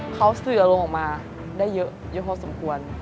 เขาสื่ออารมณ์ออกมาได้เยอะพอสมควร